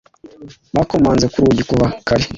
Bakomanze ku rugi kuva kare.